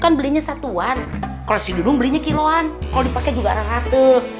kan belinya satuan kalau si dudung belinya kiloan kalau dipakai juga relatif